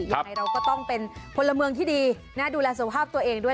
ยังไงเราก็ต้องเป็นพลเมืองที่ดีดูแลสุขภาพตัวเองด้วย